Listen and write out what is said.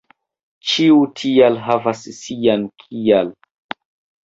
Ĉiu "tial" havas sian "kial".